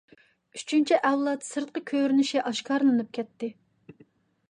ئۈچىنچى ئەۋلاد سىرتقى كۆرۈنۈشى ئاشكارىلىنىپ كەتتى.